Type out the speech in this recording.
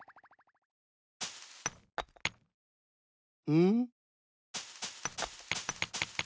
うん？